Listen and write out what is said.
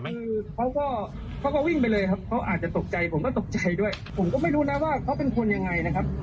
คือเขาก็เขาก็วิ่งไปเลยครับเขาอาจจะตกใจผมก็ตกใจด้วยผมก็ไม่รู้นะว่าเขาเป็นคนยังไงนะครับ